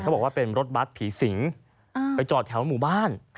บอกว่าเป็นรถบัตรผีสิงไปจอดแถวหมู่บ้าน